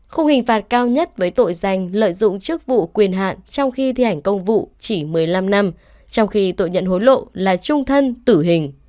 khung hình phạt cao nhất với tội danh lợi dụng chức vụ quyền hạn trong khi thi hành công vụ chỉ một mươi năm năm trong khi tội nhận hối lộ là trung thân tử hình